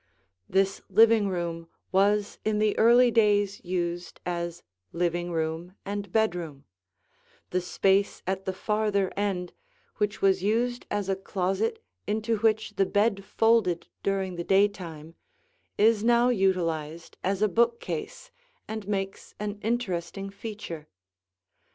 This living room was in the early days used as living room and bedroom; the space at the farther end, which was used as a closet into which the bed folded during the daytime, is now utilized as a bookcase and makes an interesting feature.